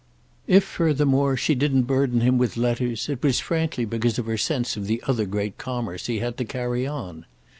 If furthermore she didn't burden him with letters it was frankly because of her sense of the other great commerce he had to carry on.